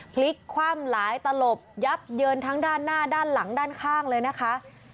พลิกคว่ำหลายตลบยับเยินทั้งด้านหน้าด้านหลังด้านข้างเลยนะคะ